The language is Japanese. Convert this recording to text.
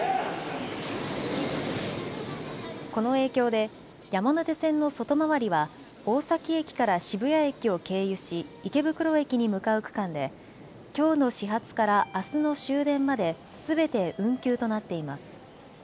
この影響で山手線の外回りは大崎駅から渋谷駅を経由し池袋駅に向かう区間できょうの始発からあすの終電まですべて運休となっています。